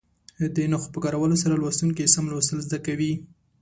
د نښو په کارولو سره لوستونکي سم لوستل زده کوي.